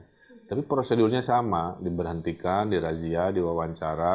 tapi prosedurnya sama diberhentikan dirazia diwawancara